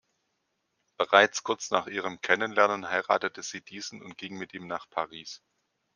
Bereits kurz nach ihrem Kennenlernen heiratete sie diesen und ging mit ihm nach Paris.